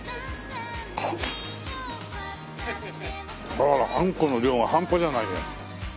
あらあんこの量が半端じゃないね。